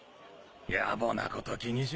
やぼなこと気にし